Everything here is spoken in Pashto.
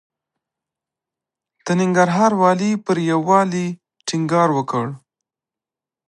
د ننګرهار والي پر يووالي ټينګار وکړ.